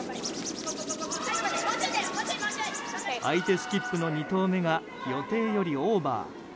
相手スキップの２投目が予定よりオーバー。